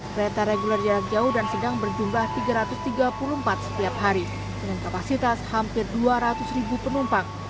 kereta reguler jarak jauh dan sedang berjumlah tiga ratus tiga puluh empat setiap hari dengan kapasitas hampir dua ratus ribu penumpang